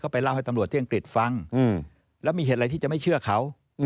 ไปเล่าให้ตำรวจที่อังกฤษฟังแล้วมีเหตุอะไรที่จะไม่เชื่อเขา